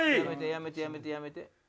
やめてやめてやめて。